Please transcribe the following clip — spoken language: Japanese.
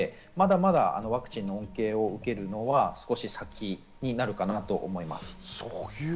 まだまだワクチンの恩恵を受けるのは先になるかなと思います。